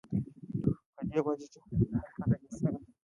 پۀ دې وجه چې هر کله انسان